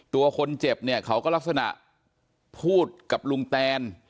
ตัวคนเจ็บเนี่ยเขาก็ลักษณะพูดกับลุงแตน